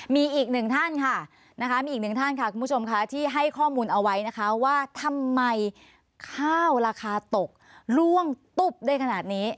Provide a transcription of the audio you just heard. มีอีกหนึ่งท่านค่ะมีอีกหนึ่งท่านค่ะคุณผู้ชมค่ะที่ให้ข้อมูลเอาไว้นะคะว่าทำไมข้าวราคาตกล่วงตุ๊บได้ขนาดนี้